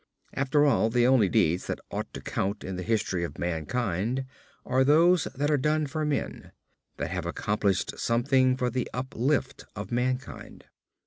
After all the only deeds that ought to count in the history of mankind are those that are done for men that have accomplished something for the uplift of mankind.